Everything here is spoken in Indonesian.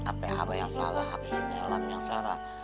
apa yang salah abis ini alam yang salah